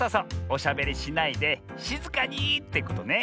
おしゃべりしないでしずかにってことね。